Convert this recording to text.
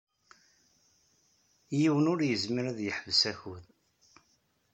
Yiwen ur yezmir ad yeḥbes akud.